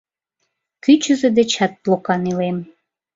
Кӱчызӧ дечат плокан илем.